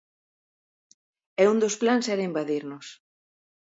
E un dos plans era invadirnos.